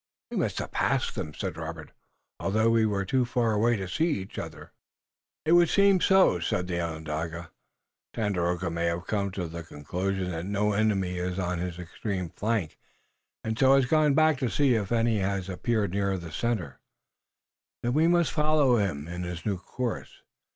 "We must have passed them," said Robert, "although we were too far away to see each other." "It would seem so," said the Onondaga. "Tandakora may have come to the conclusion that no enemy is on his extreme flank, and so has gone back to see if any has appeared nearer the center." "Then we must follow him in his new course."